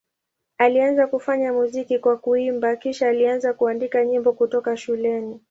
Alianza kufanya muziki kwa kuimba, kisha alianza kuandika nyimbo kutoka shuleni.